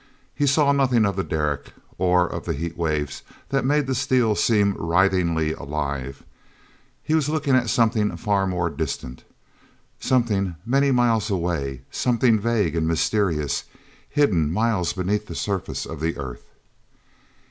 He saw nothing of the derrick or of the heat waves that made the steel seem writhingly alive; he was looking at something far more distant, something many miles away, something vague and mysterious, hidden miles beneath the surface of the earth.